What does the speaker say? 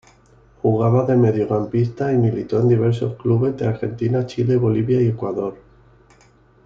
Jugaba de mediocampista y militó en diversos clubes de Argentina, Chile, Bolivia y Ecuador.